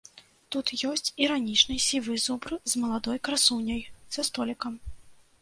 Тут ёсць іранічны сівы зубр з маладой красуняй за столікам.